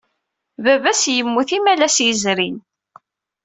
Baba-s yemmut imalas yezrin.